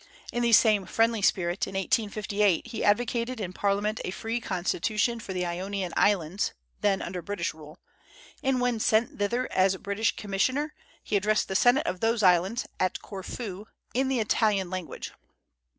In the same friendly spirit, in 1858, he advocated in Parliament a free constitution for the Ionian islands, then under British rule; and when sent thither as British commissioner he addressed the Senate of those islands, at Corfu, in the Italian language.